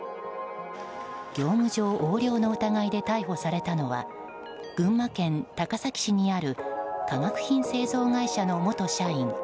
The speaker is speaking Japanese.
業務上横領の疑いで逮捕されたのは群馬県高崎市にある化学品製造会社の元社員